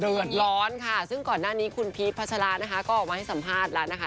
เดือดร้อนค่ะซึ่งก่อนหน้านี้คุณพีชพัชรานะคะก็ออกมาให้สัมภาษณ์แล้วนะคะ